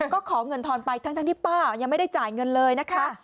ก็ขอเงินทอนไปทั้งที่ป้ายังไม่ได้จ่ายเงินเลยนะคะ